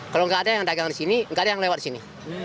kalau nggak ada yang dagang di sini nggak ada yang lewat sini